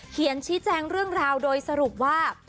เขียนชี้แจงเรื่องราวโดยสรุปว่า